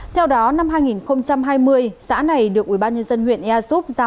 theo đó năm hai nghìn hai mươi xã này được ubnd huyện ea xúc